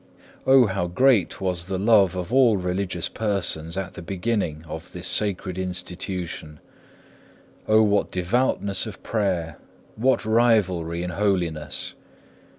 5. O how great was the love of all religious persons at the beginning of this sacred institution! O what devoutness of prayer! what rivalry in holiness!